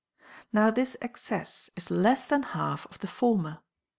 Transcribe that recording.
Now this ex cess is less than half of the former.